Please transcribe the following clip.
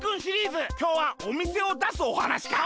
きょうはおみせをだすおはなしか！